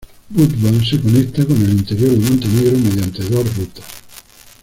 Budva se conecta con el interior de Montenegro mediante dos rutas.